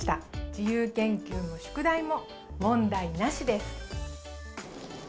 自由研究も宿題も、問題なしです。